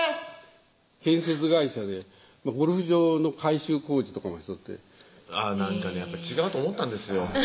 建設会社でゴルフ場の改修工事とかもしとってなんかね違うと思ったんですよ